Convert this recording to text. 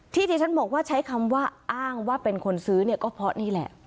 ที่ที่ฉันบอกว่าใช้คำว่าอ้างว่าเป็นคนซื้อเนี่ยก็เพราะนี่แหละ